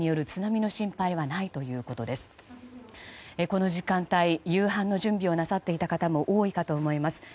この時間帯夕飯の準備をなさっていた方も多いかと思います。